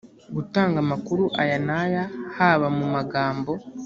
gutanga amakuru aya n aya haba mu magambo